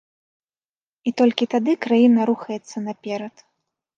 І толькі тады краіна рухаецца наперад.